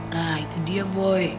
nah itu dia boy